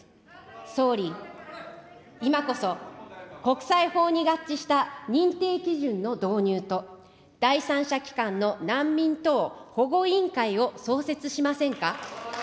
総理、今こそ国際法に合致した認定基準の導入と、第三者機関の難民等保護委員会を創設しませんか。